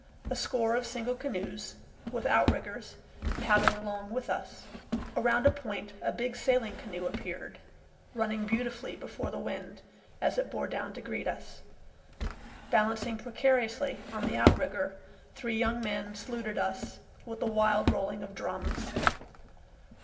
A score of single canoes, with outriggers, paddled along with us. Around a point a big sailing canoe appeared, running beautifully before the wind as it bore down to greet us. Balancing precariously on the outrigger, three young men saluted us with a wild rolling of drums.